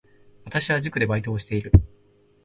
私は塾でバイトをしている